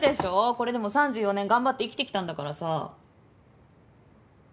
これでも３４年頑張って生きてきたんだからさ。